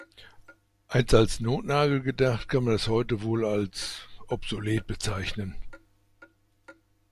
Einst als Notnagel gedacht, kann man es heute wohl als obsolet bezeichnen.